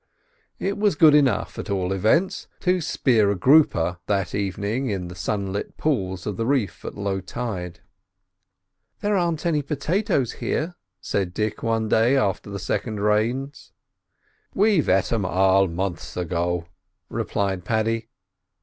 It was good enough, at all events, to spear a "groper" with, that evening, in the sunset lit pools of the reef at low tide. "There aren't any potatoes here," said Dick one day, after the second rains. "We've et 'em all months ago," replied Paddy.